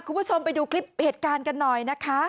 คุณผู้ชมไปดูคลิปเหตุการณ์กันหน่อยนะคะ